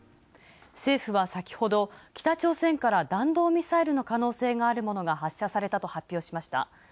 政府は先ほど北朝鮮から弾道ミサイルの可能性のあるものが発射されたと発表しました。